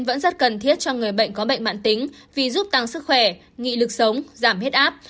vẫn rất cần thiết cho người bệnh có bệnh mạng tính vì giúp tăng sức khỏe nghị lực sống giảm huyết áp